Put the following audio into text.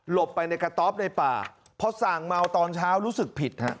หลบไปในกระต๊อบในป่าเพราะสั่งเมาตอนเช้ารู้สึกผิด